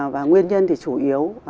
và nguyên nhân thì chủ yếu